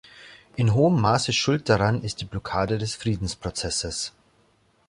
In hohem Maße schuld daran ist die Blockade des Friedensprozesses.